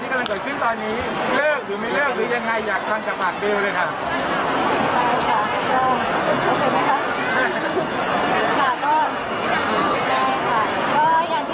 ใช่ค่ะก็มีความสวยงามนี้ก็เป็นคลายของวิทยาด้วยค่ะแล้วก็มีความร่วมสมัยด้วย